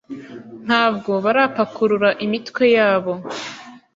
Ntabwo barapakurura imitwe yabo.